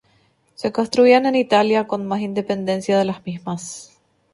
Se construían en Italia con más independencia de las mismas.